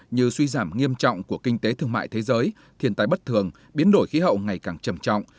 như suy giảm nghiêm trọng của kinh tế thương mại thế giới thiền tài bất thường biến đổi khí hậu ngày càng trầm trọng